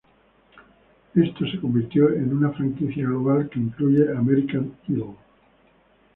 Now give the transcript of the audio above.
Esto se convirtió en una franquicia global que incluye American Idol.